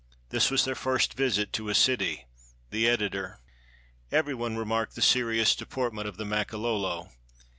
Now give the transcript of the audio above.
This was their first visit to a city. The Editor.] Every one remarked the serious deportment of the Makololo.